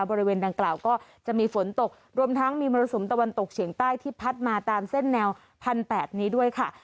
บริเวณดังกล่าวก็จะมีฝนตกรวมทั้งมีมรสุมตะวันตกเฉียงใต้ที่พัดมาตามเส้นแนว๑๘๐๐นี้ด้วยค่ะ